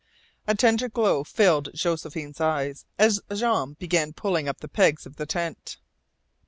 A tender glow filled Josephine's eyes as Jean began pulling up the pegs of the tent.